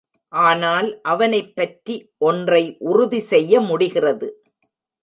ஆனால் அவனைப்பற்றி ஒன்றை உறுதி செய்ய முடிகிறது.